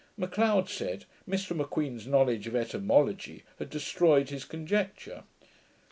Macleod said, Mr M'Queen's knowledge of etymology had destroyed his conjecture.